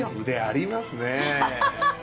腕ありますね。